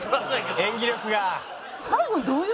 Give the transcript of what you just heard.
演技力が。